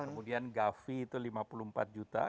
kemudian gavi itu lima puluh empat juta